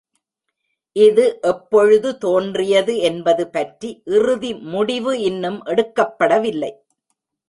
இது எப்பொழுது தோன்றியது என்பது பற்றி இறுதி முடிவு இன்னும் எடுக்கப்படவில்லை.